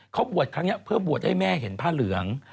เขาบวชครั้งนี้เพื่อบวชให้แม่เห็นผ้าเหลือง